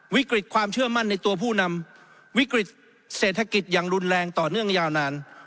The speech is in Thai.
วิกฤตความเชื่อมั่นในตัวผู้นำวิกฤตเศรษฐกิจอย่างรุนแรงต่อเนื่องยาวนาน